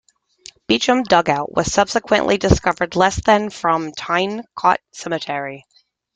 Beecham dugout was subsequently discovered less than from Tyne Cot Cemetery.